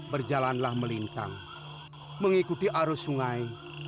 berjalanlah melintang mengikuti arus sungai